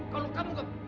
kalau kamu gak